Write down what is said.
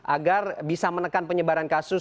agar bisa menekan penyebaran kasus di negara